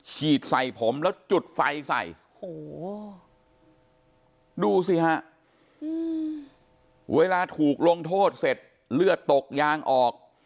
ฉีดใส่ผมแล้วจุดไฟใส่โอ้โหดูสิฮะเวลาถูกลงโทษเสร็จเลือดตกยางออก